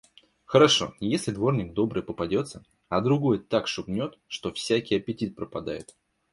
Хорошо, если дворник добрый попадётся, а другой так шугнёт, что всякий аппетит пропадает.